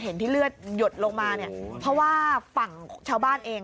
เห็นที่เลือดหยดลงมาเนี่ยเพราะว่าฝั่งชาวบ้านเอง